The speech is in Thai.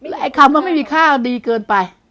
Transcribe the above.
และคำว่าไม่มีค่าดีเกินไป